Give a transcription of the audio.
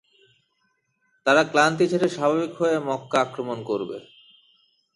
তারা ক্লান্তি ঝেড়ে স্বাভাবিক হয়ে মক্কা আক্রমণ করবে।